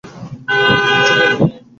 আমাকে কিছু বলুন।